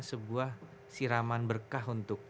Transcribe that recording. sebuah siraman berkah untuk